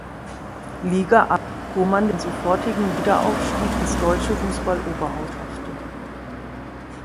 Liga ab, wo man den sofortigen Wiederaufstieg ins deutsche Fußballoberhaus schaffte.